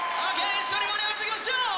一緒に盛り上がっていきましょう。